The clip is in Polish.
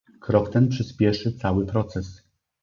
Krok ten przyspieszy cały proces